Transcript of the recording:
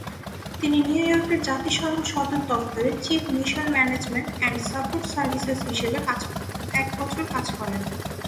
তিনি নিউ ইয়র্কের জাতিসংঘ সদর দফতরে ‘chief mission management and support services’ হিসেবে এক বছর কাজ করেন।